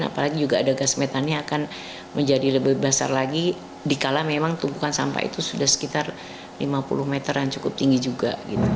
apalagi juga ada gas metannya akan menjadi lebih besar lagi dikala memang tumpukan sampah itu sudah sekitar lima puluh meter yang cukup tinggi juga